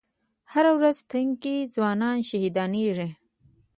هره ورځ تنکي ځوانان شهیدانېږي